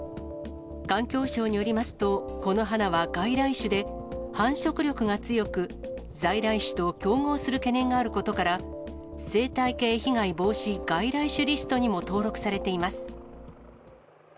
環境省によりますと、この花は外来種で繁殖力が強く、在来種と競合する懸念があることから、生態系被害防止外来種リストにも登録されています。